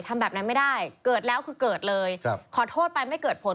ทำแบบนั้นไม่ได้เกิดแล้วคือเกิดเลยครับขอโทษไปไม่เกิดผล